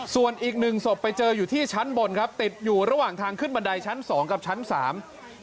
ส่วนอีกหนึ่งศพไปเจออยู่ที่ชั้นบนครับติดอยู่ระหว่างทางขึ้นบันไดชั้นสองกับชั้นสาม